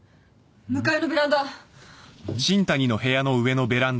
向かいのベランダ。